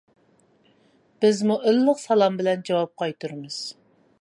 بىزمۇ ئىللىق سالام بىلەن جاۋاب قايتۇرىمىز.